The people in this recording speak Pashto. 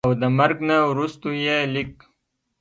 او دَمرګ نه وروستو ئې ليک